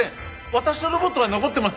私とロボットが残ってます！